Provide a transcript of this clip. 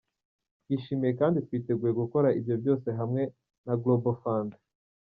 Twishimiye kandi twiteguye gukora ibyo byose hamwe na Global Fund.